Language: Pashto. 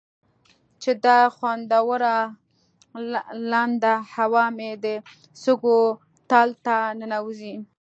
چې دا خوندوره لنده هوا مې د سږو تل ته ننوځي.